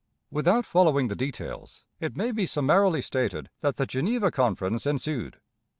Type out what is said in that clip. Without following the details, it may be summarily stated that the Geneva Conference ensued.